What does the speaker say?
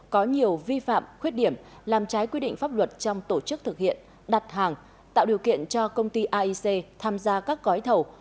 có nhiều vi phạm khuyết điểm làm trái quy định pháp luật trong tổ chức thực hiện đặt hàng tạo điều kiện cho công ty aic tham gia các gói thầu